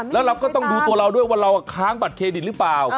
แล้วเราก็ต้องดูตัวเราด้วยว่าเราค้างบัตรเครดิตหรือเปล่า